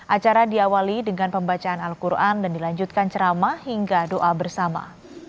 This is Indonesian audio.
acara diawali dengan pembacaan al quran dan dilanjutkan ceramah hingga doa bersama